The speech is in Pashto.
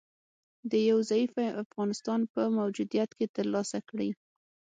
د یو ضعیفه افغانستان په موجودیت کې تر لاسه کړي